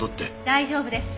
大丈夫です。